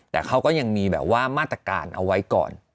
แต่เขาก็ยังมีแบบว่ามาตรการเอาไว้ก่อน